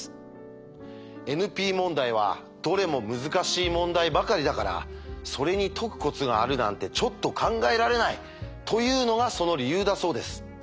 ＮＰ問題はどれも難しい問題ばかりだからそれに解くコツがあるなんてちょっと考えられないというのがその理由だそうです。